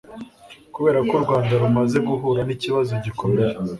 kubera ko u rwanda rumaze guhura n'ikibazo gikomeye